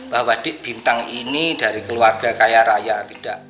bahwa di bintang ini dari keluarga kaya raya tidak